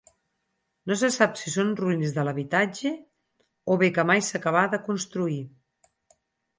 No se sap si són ruïnes de l'habitatge o bé que mai s'acabà de construir.